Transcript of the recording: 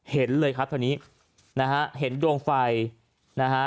เห็นเลยครับเท่านี้นะฮะเห็นดวงไฟนะฮะ